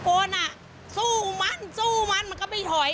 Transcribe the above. คนอ่ะสู้มันสู้มันมันก็ไม่ถอย